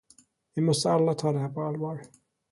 Vi måste alla ta det här på allvar.